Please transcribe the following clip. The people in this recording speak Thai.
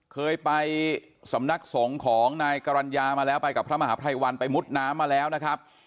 เคยไปสำนักสงฆ์ของนายกรรณญามาแล้วไปกับพระมหาภัยวันไปมุดน้ำมาแล้วนะครับ